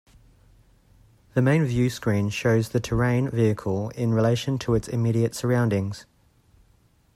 The main view screen shows the terrain vehicle in relation to its immediate surroundings.